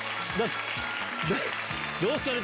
どうですかね？